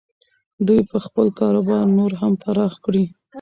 دوی به خپل کاروبار نور هم پراخ کړي.